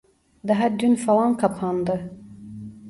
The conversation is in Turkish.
Daha dün falan kapandı